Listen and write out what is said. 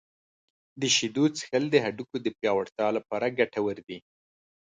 • د شیدو څښل د هډوکو د پیاوړتیا لپاره ګټور دي.